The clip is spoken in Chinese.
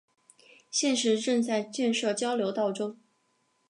现时正在建设交流道中。